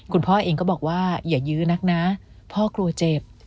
คุณพ่อเองก็บอกว่าอย่ายื้อนักนะพ่อกลัวเจ็บ